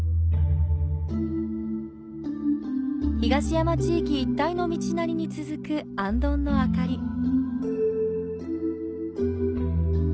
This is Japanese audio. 東山地域一帯の道なりに続くあんどんの明かり。